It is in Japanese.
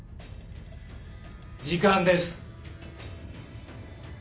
時間です